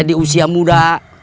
di usia muda